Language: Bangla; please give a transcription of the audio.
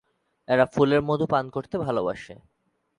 এরা ফুলের মধু পান করতে ভালোবাসে।